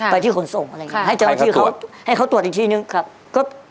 ไปที่ขนส่งอะไรอย่างนี้ให้จำอาที่เขาทรวจอีกทีหนึ่งครับให้เขาตรวจ